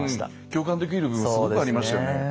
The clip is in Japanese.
共感できる部分すごくありましたよね。